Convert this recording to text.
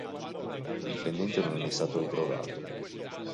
Il pendente non è mai stato ritrovato.